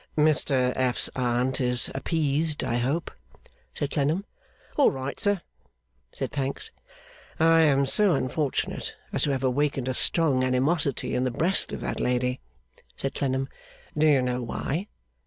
'Mr F.'s Aunt is appeased, I hope?' said Clennam. 'All right, sir,' said Pancks. 'I am so unfortunate as to have awakened a strong animosity in the breast of that lady,' said Clennam. 'Do you know why?